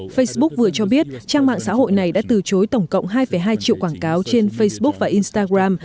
facebook vừa cho biết trang mạng xã hội này đã từ chối tổng cộng hai hai triệu quảng cáo trên facebook và instagram